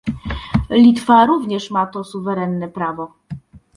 Litwa również ma to suwerenne prawo